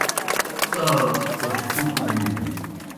تاروْ پوْش کُٹوْ بِینوْ۔